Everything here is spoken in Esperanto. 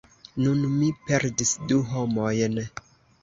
Nun mi perdis du homojn!